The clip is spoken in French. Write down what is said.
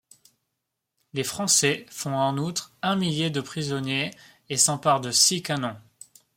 Les Français font en outre un millier de prisonniers et s'emparent de six canons.